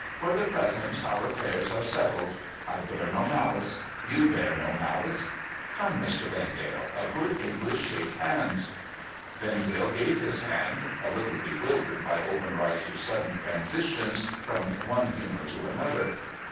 For the present our aftairs are settled. I bear no malice. You bear no malice. Come, Mr. Vendale, a good English shake hands.' Vendale gave his hand, a little bewildered by Obenreizer's sudden transitions from one humour to another.